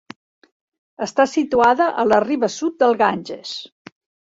Està situada a la riba sud del Ganges.